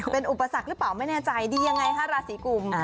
เป็นอุปสรรคหรือเปล่าไม่แน่ใจดียังไงคะราศีกลุ่ม